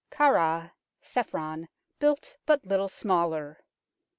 Khafra (Chephron) built but little smaller.